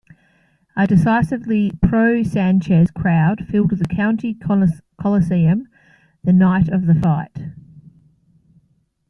A decisively pro-Sanchez crowd filled the County Coliseum the night of the fight.